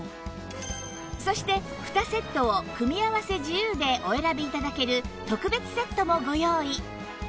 そして２セットを組み合わせ自由でお選び頂ける特別セットもご用意